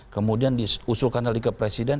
kemudian diusulkan oleh dikepresiden